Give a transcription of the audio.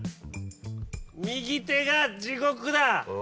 右手が地獄だ！